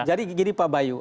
jadi gini pak bayu